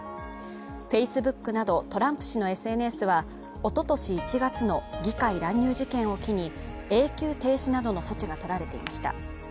Ｆａｃｅｂｏｏｋなどトランプ氏のＳＮＳは、おととし１月の議会乱入事件を機に永久停止などの措置が取られていました。